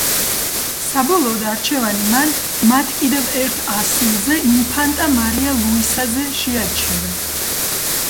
საბოლოოდ არჩევანი მან მათ კიდევ ერთ ასულზე, ინფანტა მარია ლუისაზე შეაჩერა.